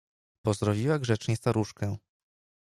Pozdrowiła grzecznie staruszkę.